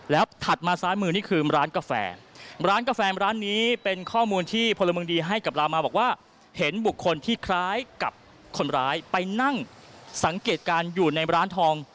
แล้วถัดมาซ้ายมือนี่คือร้านกาแฟร้านกาแฟร้านนี้เป็นข้อมูลที่พลเมืองดีให้กับเรามาบอกว่าเห็นบุคคลที่คล้ายกับคนร้ายไปนั่งสังเกตการณ์อยู่ในร้านทอง